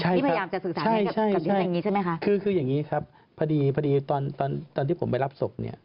ใช่ครับใช่คืออย่างนี้ครับพอดีตอนที่ผมไปรับศพ